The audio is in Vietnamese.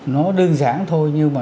nó đơn giản thôi nhưng mà